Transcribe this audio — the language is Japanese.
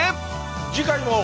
次回も。